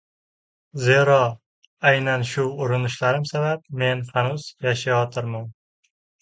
Zero, aynan shu urinishlarim sabab men hanuz yashayotirman.